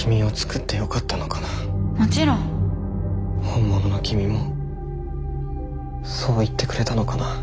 本物の君もそう言ってくれたのかな。